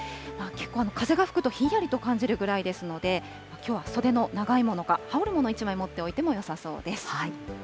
結構風が吹くとひんやりと感じるぐらいですので、きょうは袖の長いものか、羽織るもの、１枚持っておいてもよさそうです。